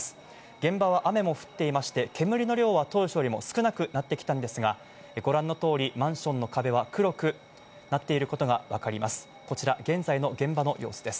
現場は雨も降っていて、煙の量は当初よりも少なくなってきたんですが、ご覧の通り、マンションの壁は黒くなっていることがわかります。